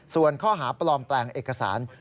ส่วนข้อหาปลอมแปลงเอกสาร